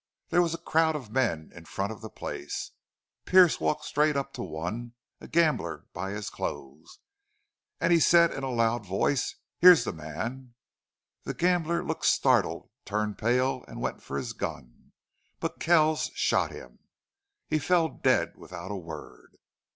There was a crowd of men in front of the place. Pearce walked straight up to one a gambler by his clothes. And he said in a loud voice. 'Here's the man!'... The gambler looked startled, turned pale, and went for his gun. But Kells shot him!... He fell dead, without a word.